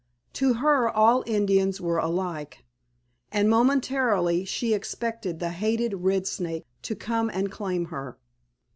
To her all Indians were alike, and momentarily she expected the hated Red Snake to come and claim her.